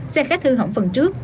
xe khách hư hỏng phần trước